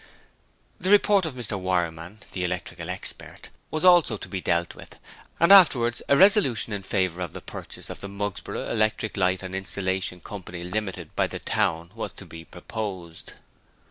The report of Mr Wireman, the electrical expert, was also to be dealt with, and afterwards a resolution in favour of the purchase of the Mugsborough Electric light and Installation Co. Ltd by the town, was to be proposed.